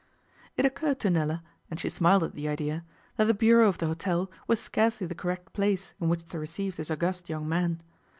It occurred to Nella, and she smiled at the idea, that the bureau of the hotel was scarcely the correct place in which to receive this august young man.